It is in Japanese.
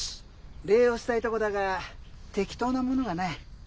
礼をしたいとこだが適当なものがない。